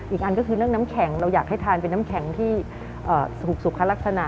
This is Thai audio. อีกอันก็คือเรื่องน้ำแข็งเราอยากให้ทานเป็นน้ำแข็งที่สุขสุขลักษณะ